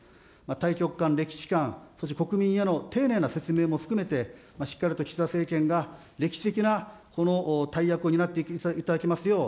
大局観、歴史観、そして国民への丁寧な説明も含めて、しっかりと岸田政権が歴史的なこの大役を担っていただきますよう、